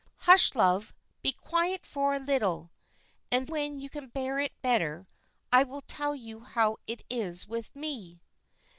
"Hush, love; be quiet for a little; and when you can bear it better, I will tell you how it is with me."